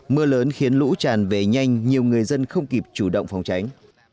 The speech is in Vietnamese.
mưa lớn khiến lũ tràn về nhanh nhiều người dân không kịp chủ động phòng tránh